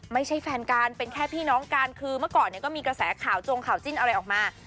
ไม่ใช่แฟนกันเป็นแค่พี่น้องกันคือเมื่อก่อนเนี่ยก็มีกระแสข่าวจงข่าวจิ้นอะไรออกมา